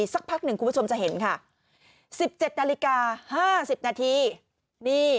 สักพักหนึ่งคุณผู้ชมจะเห็นค่ะ๑๗นาฬิกา๕๐นาทีนี่